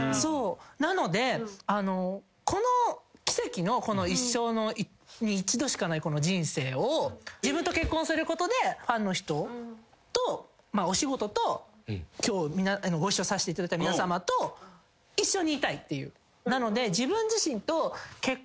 なのであのこの奇跡のこの一生に一度しかない人生を自分と結婚することでファンの人とお仕事と今日ご一緒させていただいた皆さまと一緒にいたいっていう。